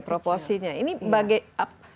proporsinya ini bagaimana